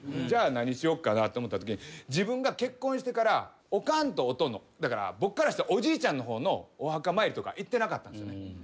じゃあ何しようかなと思ったときに自分が結婚してからおかんとおとんの僕からしたらおじいちゃんの方のお墓参りとか行ってなかったんですよね。